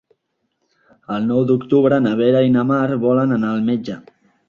El nou d'octubre na Vera i na Mar volen anar al metge.